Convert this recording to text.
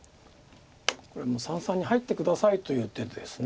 これも「三々に入って下さい」という手です。